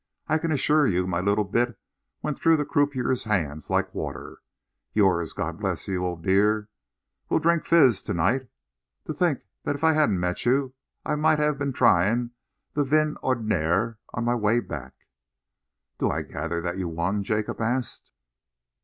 I can assure you my little bit went through the croupier's hands like water. Yours God bless you, old dear! We'll drink fizz to night. To think that if I hadn't met you I might have been trying the vin ordinaire on my way back!" "Do I gather that you won?" Jacob asked.